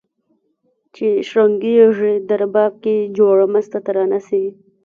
چي شرنګیږي په رباب کي جوړه مسته ترانه سي